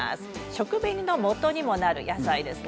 食紅のもとになる野菜です。